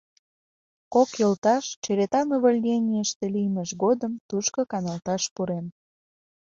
Кок йолташ черетан увольненийыште лиймыж годым тушко каналташ пурен.